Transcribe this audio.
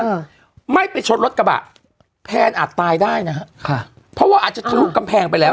เออไม่ไปชดรถกระบะแพนอาจตายได้นะฮะค่ะเพราะว่าอาจจะทะลุกำแพงไปแล้ว